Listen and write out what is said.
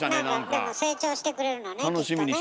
でも成長してくれるのねきっとね。